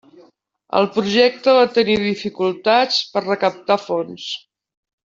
El projecte va tenir dificultats per recaptar fons.